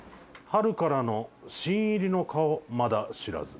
「春からの新入りの顔まだ知らず」。